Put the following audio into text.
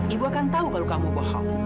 ibu akan tahu kalau kamu bohong